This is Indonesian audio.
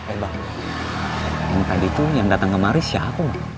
eh bang tadi tuh yang datang kemarin siapa bang